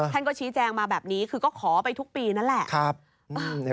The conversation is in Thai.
ท่านก็ชี้แจงมาแบบนี้คือก็ขอไปทุกปีนั่นแหละ